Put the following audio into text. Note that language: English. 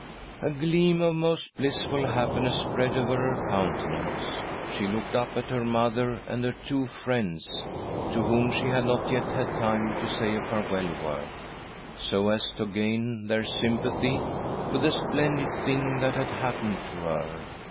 A gleam of most blissful happiness spread over her countenance ; she looked up at her mother and her two friends — to whom she had not yet had time to say a farewell word— so as to gain their sympathy with the splendid thing that had happened to her